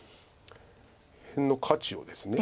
辺の価値をですね